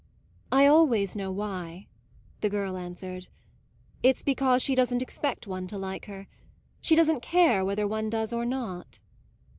"I always know why," the girl answered. "It's because she doesn't expect one to like her. She doesn't care whether one does or not."